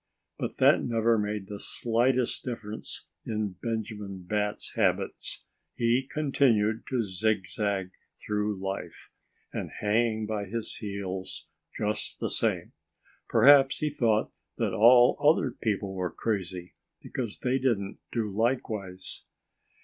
But that never made the slightest difference in Benjamin Bat's habits. He continued to zigzag through life—and hang by his heels—just the same. Perhaps he thought that all other people were crazy because they didn't do likewise.